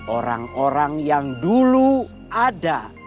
orang orang yang dulu ada